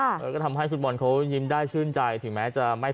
แล้วก็ทำให้ฟุตบอลเขายิ้มได้ชื่นใจถึงแม้จะไม่